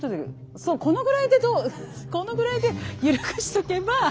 そうこのぐらいでこのぐらいでゆるくしとけば。